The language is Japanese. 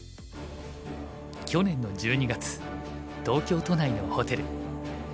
去年の１２月東京都内のホテル。